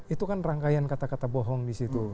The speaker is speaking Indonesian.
itu kan rangkaian kata kata bohong disitu